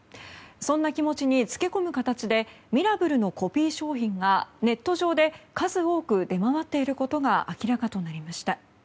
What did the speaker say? そんな気持ちにつけ込む形でミラブルのコピー商品がネット上で数多く出回っていることが明らかとなりました。